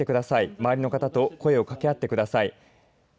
周りの方と声を掛け合ってください。